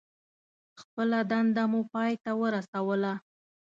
خپله دنده مو پای ته ورسوله.